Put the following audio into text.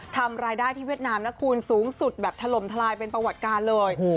ทำรายได้ที่เวียดนามนะคุณสูงสุดแบบถล่มทลายเป็นประวัติการเลย